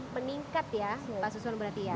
meningkat ya pak suson berarti ya